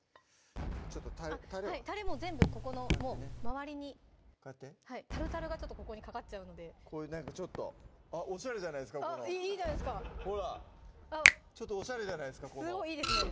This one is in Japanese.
ちょっとたれがたれも全部ここのもう周りにこうやってタルタルがここにかかっちゃうのでこういうなんかちょっとおしゃれじゃないですかほらちょっとおしゃれじゃないですかすごいいいですね